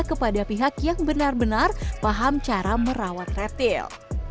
kepada pihak yang benar benar paham cara merawat reptil